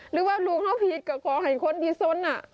หรือว่าลูกเขาผิดก็ขอให้คนที่สน